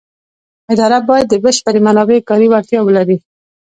اداره باید د بشري منابعو کاري وړتیاوې ولري.